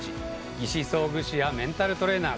義肢装具士やメンタルトレーナー。